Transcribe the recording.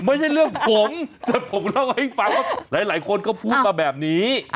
ไม่ใช่เรื่องผมแต่ผมเล่าให้ฟังว่าหลายคนก็พูดมาแบบนี้